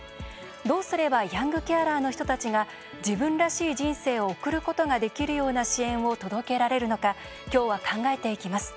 どうすればヤングケアラーの人たちが自分らしい人生を送ることができるような支援を届けられるのか今日は考えていきます。